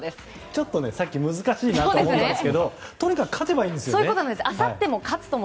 ちょっと、さっき難しいなと思ったんですけどとにかく勝てばいいんですよね。